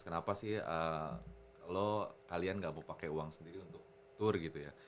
kenapa sih lo kalian nggak mau pakai uang sendiri untuk tour gitu ya